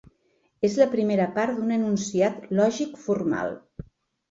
És la primera part d'un enunciat lògic formal.